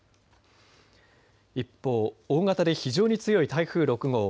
一方、大型で非常に強い台風６号。